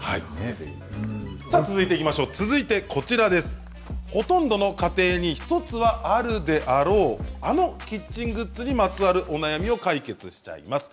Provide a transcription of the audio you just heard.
続いてほとんどの家庭に１つはあるであろうあのキッチングッズにまつわるお悩みを解決しちゃいます。